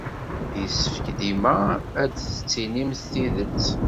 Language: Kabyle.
Yessefk dima ad d-tettinimt tidet.